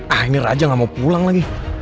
ah ini raja gak mau pulang lagi